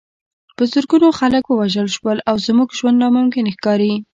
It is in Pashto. په زرګونو خلک ووژل شول او زموږ ژوند ناممکن ښکاري